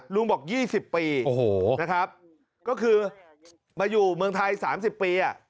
ลุงบอก๒๐ปีนะครับก็คือมาอยู่เมืองไทย๓๐ปี